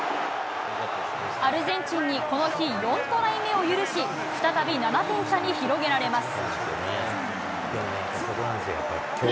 アルゼンチンにこの日４トライ目を許し、再び、７点差に広げられます。